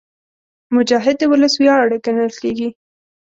مجاهد د ولس ویاړ ګڼل کېږي.